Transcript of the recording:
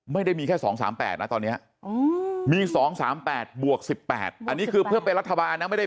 ไม่ได้มีแค่๒๓๘นะตอนนี้มี๒๓๘บวก๑๘อันนี้คือเพื่อเป็นรัฐบาลนะไม่ได้